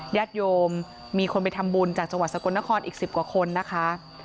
ญาติโยมมีคนไปทำบุญจากจังหวัดสกลนครอีก๑๐กว่าคนนะคะ